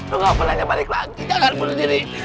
lu ga pernah balik lagi jangan bunuh diri